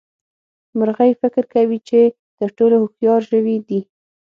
مرغۍ فکر کوي چې تر ټولو هوښيار ژوي دي.